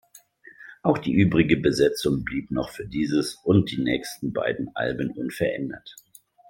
Auch die übrige Besetzung blieb noch für dieses und die nächsten beiden Alben unverändert.